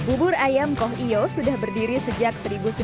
ubur ayam koiok sudah berdiri sejak seribu sembilan ratus enam puluh enam